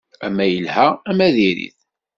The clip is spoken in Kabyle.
Ama yelha ama diri-t.